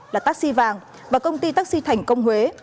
là taxi vàng và công ty taxi thành công huế